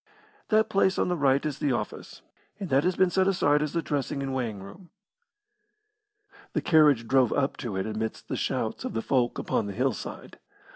That place on the right is the office, and that has been set aside as the dressing and weighing room." The carriage drove up to it amidst the shouts of the folk upon the hillside.